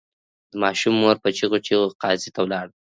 د ماشوم مور په چیغو چیغو قاضي ته ولاړه.